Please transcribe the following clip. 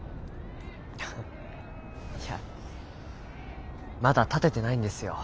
フッいやまだ立ててないんですよ。